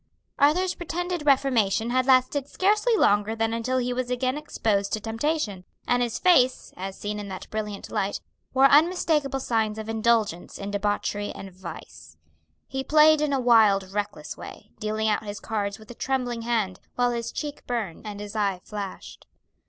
Arthur's pretended reformation had lasted scarcely longer than until he was again exposed to temptation, and his face, as seen in that brilliant light, wore unmistakable signs of indulgence in debauchery and vice. He played in a wild, reckless way, dealing out his cards with a trembling hand, while his cheek burned and his eye flashed.